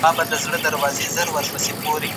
تاسي په پښتو کي د متلونو په مانا پوهېږئ؟